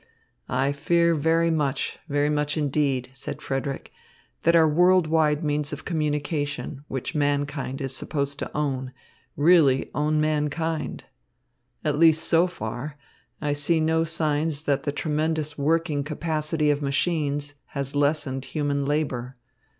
"I very much fear, very much, indeed," said Frederick, "that our world wide means of communication, which mankind is supposed to own, really own mankind. At least so far, I see no signs that the tremendous working capacity of machines has lessened human labour.